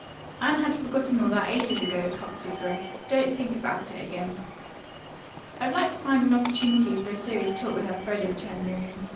"Anne had forgotten all that, ages ago," comforted Grace. "Don't think about it again." "I'd like to find an opportunity for a serious talk with Elfreda," returned Miriam.